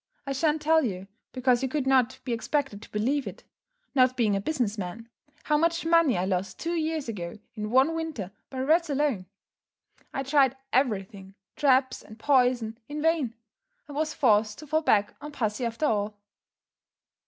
I shan't tell you, because you could not be expected to believe it, not being a business man, how much money I lost two years ago in one winter, by rats alone. I tried everything, traps and poison, in vain, and was forced to fall back on pussy after all."